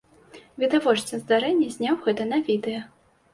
Відавочца здарэння зняў гэта на відэа.